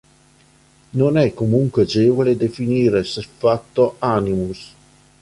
Non è comunque agevole definire siffatto "animus".